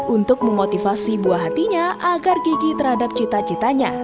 untuk memotivasi buah hatinya agar gigi terhadap cita citanya